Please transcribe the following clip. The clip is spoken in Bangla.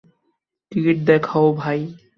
টিকিট দেখাও ভাই।